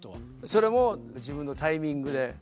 それも自分のタイミングで。